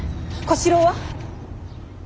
小四郎は。